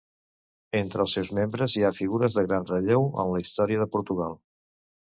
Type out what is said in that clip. Entre els seus membres hi ha figures de gran relleu en la història de Portugal.